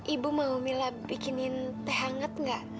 ibu mau mila bikinin teh hangat nggak